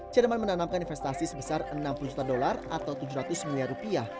jerman menanamkan investasi sebesar enam puluh juta dolar atau tujuh ratus miliar rupiah